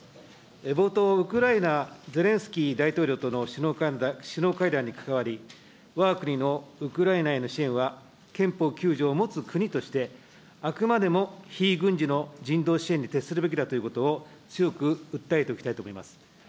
冒頭、ウクライナ、ゼレンスキー大統領との首脳会談に関わり、わが国のウクライナへの支援は、憲法９条を持つ国として、あくまでも非軍事の人道支援に徹するべきだということを強く訴えておきたいと思います。